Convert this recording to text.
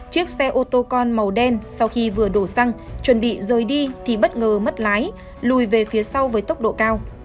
chiếc xe ô tô con màu đen sau khi vừa đổ xăng chuẩn bị rời đi thì bất ngờ mất lái lùi về phía sau với tốc độ cao